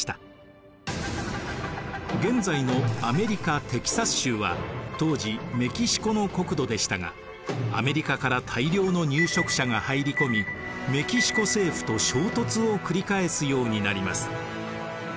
現在のアメリカ・テキサス州は当時メキシコの国土でしたがアメリカから大量の入植者が入り込みメキシコ政府と衝突を繰り返すようになります。